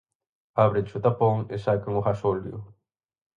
Ábrenche o tapón e sacan o gasóleo.